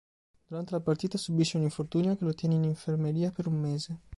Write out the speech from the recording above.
Durante la partita subisce un infortunio che lo tiene in infermeria per un mese.